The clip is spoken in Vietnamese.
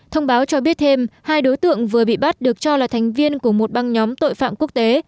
thông báo cho biết thêm hai đối tượng vừa bị bắt được cho là thành viên của một băng nhóm tội phạm quốc tế